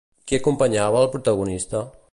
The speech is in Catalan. Qui acompanyava el protagonista?